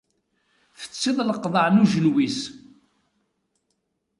Tettiḍ leqḍeɛ n ujenwi-s.